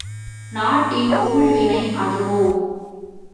நாட்டின் ஊழ்வினை அதுவோ?